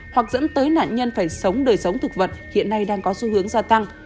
hoặc dẫn tới nạn nhân phải sống đời sống thực vật hiện nay đang có xu hướng gia tăng